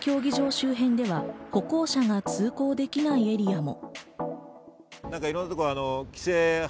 周辺では、歩行者が通行できないエリアも。